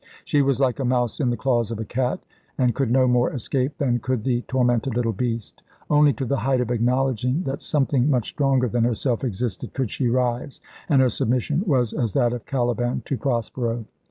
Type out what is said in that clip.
She was like a mouse in the claws of a cat, and could no more escape than could the tormented little beast. Only to the height of acknowledging that Something much stronger than herself existed could she rise; and her submission was as that of Caliban to Prospero.